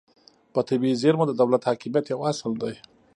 په طبیعي زیرمو د دولت حاکمیت یو اصل دی